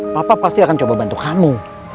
papa pasti akan coba bantu kamu